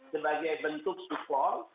sebagai bentuk support